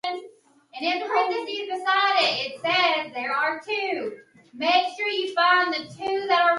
The lagoon suffers from heavy pollution, mainly from the Oder river, resulting in eutrophication.